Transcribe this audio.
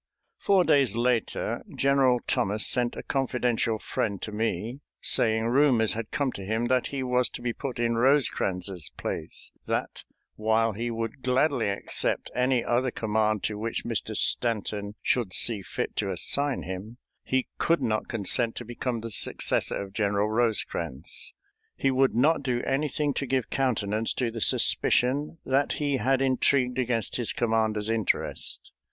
Four days later General Thomas sent a confidential friend to me, saying rumors had come to him that he was to be put in Rosecrans's place; that, while he would gladly accept any other command to which Mr. Stanton should see fit to assign him, he could not consent to become the successor of General Rosecrans. He would not do anything to give countenance to the suspicion that he had intrigued against his commander's interest.